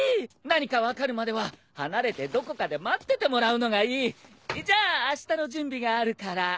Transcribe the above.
何か分かるまでは離れてどこかで待っててもらうのがいい。じゃああしたの準備があるから。